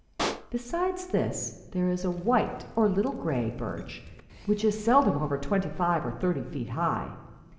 Besides this, there is the white, or little gray, birch, which is seldom over twenty five or thirty feet high.